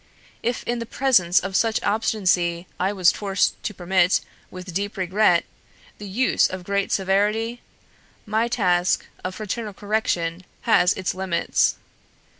If in the presence of such obstinacy I was forced to permit, with deep regret, the use of great severity, my task of fraternal correction has its limits.